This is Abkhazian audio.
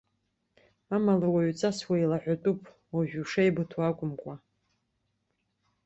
Амала уаҩҵас уеилаҳәатәуп, уажә ушеибыҭоу акәымкәа.